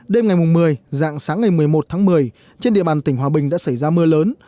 đêm ngày một mươi dạng sáng ngày một mươi một tháng một mươi trên địa bàn tỉnh hòa bình đã xảy ra mưa lớn